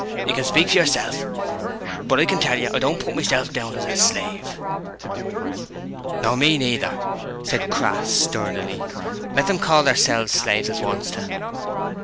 'You can speak for yourself, but I can tell yer I don't put MYSELF down as a slave.' 'Nor me neither,' said Crass sturdily. 'Let them call their selves slaves as wants to.'